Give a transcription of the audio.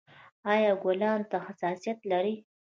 ایا ګلانو ته حساسیت لرئ؟